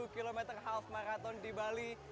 dua puluh satu satu kilometer half marathon di bali